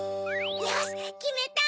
よしきめた！